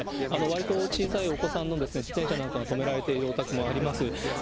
わりと小さいお子さんの自転車なんかが止められているお宅もあります。